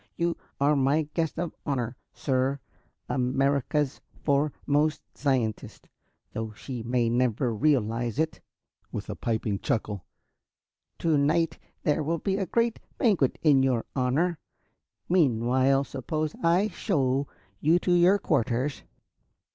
You are my guest of honor, sir America's foremost scientist, though she may never realize it," with a piping chuckle. "To night there will be a great banquet in your honor. Meanwhile, suppose I show you to your quarters."